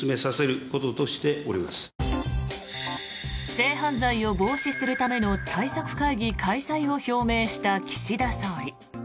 性犯罪を防止するための対策会議の開催を表明した岸田総理。